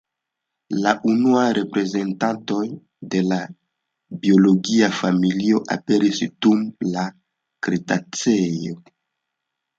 La unuaj reprezentantoj de la biologia familio aperis dum la kretaceo.